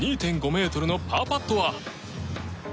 ２．５ｍのパーパットは。